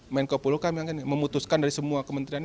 menko puluh kami akan memutuskan dari semua